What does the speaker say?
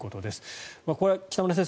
これは北村先生